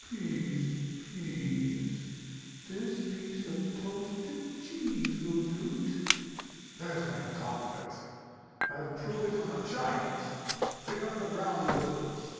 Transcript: Peace, peace; this piece of toasted cheese will do't. There's my gauntlet; I'll prove it on a giant. Bring up the brown bills.